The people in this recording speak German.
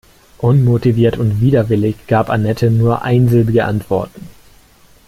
Unmotiviert und widerwillig gab Anette nur einsilbige Antworten.